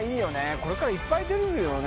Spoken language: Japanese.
これからいっぱい出るよね